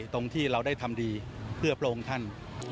สวัสดีครับ